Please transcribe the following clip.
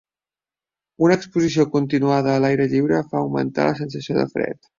Una exposició continuada a l'aire lliure fa augmentar la sensació de fred.